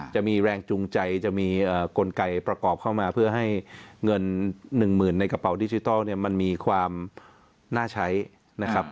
จะมีแรงจูงใจจะมีกลไกประกอบเข้ามาเพื่อให้เงิน๑๐๐๐ในกระเป๋าดิจิทัลเนี่ยมันมีความน่าใช้นะครับ